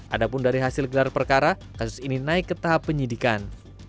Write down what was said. adapun dari hasil gelar perkara kasus ini naik ke tahap penyidikan